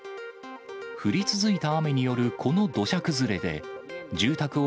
降り続いた雨によるこの土砂崩れで、住宅